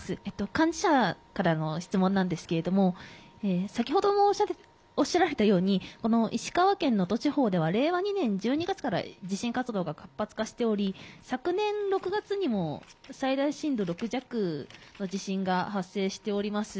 幹事社からの質問なんですけれども、先ほどおっしゃられたように、この石川県能登地方では、令和２年１２月から地震活動が活発化しており、昨年６月にも、最大震度６弱の地震が発生しております。